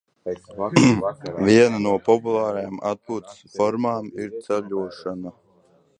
Viena no populārākajām atpūtas formām ir ceļošana.